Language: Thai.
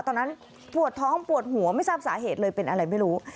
ตอนนั้นปวดท้องปวดหัวไม่ทราบสาเหตุเลยเป็นอะไรไม่รู้